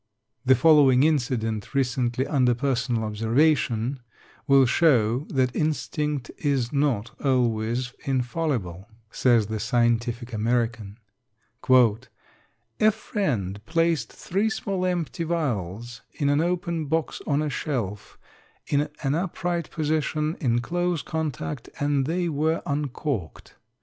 The following incident, recently under personal observation, will show that instinct is not always infallible, says the Scientific American: "A friend placed three small empty vials in an open box on a shelf, in an upright position in close contact, and they were uncorked.